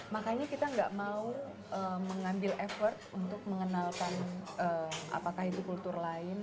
makanya kita nggak mau mengambil effort untuk mengenalkan apakah itu kultur lain